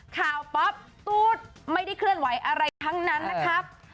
ป๊อปตู๊ดไม่ได้เคลื่อนไหวอะไรทั้งนั้นนะครับ